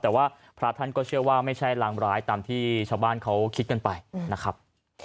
แต่ว่าพระท่านก็เชื่อว่าไม่ใช่รางร้ายตามที่ชาวบ้านเขาคิดกันไปนะครับ